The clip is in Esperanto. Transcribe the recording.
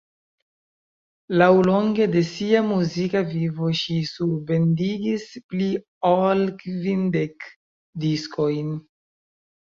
Laŭlonge de sia muzika vivo ŝi surbendigis pli ol kvindek diskojn.